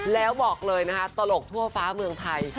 แล้วบอกเลยนะคะตลกทั่วฟ้าเมืองไทย